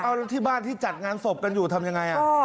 เอาแล้วที่บ้านที่จัดงานศพกันอยู่ทำยังไง